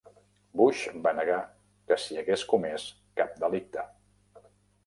Bush va negar que s'hi hagués comès cap delicte.